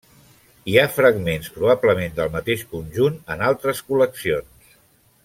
Hi ha fragments probablement del mateix conjunt en altres col·leccions.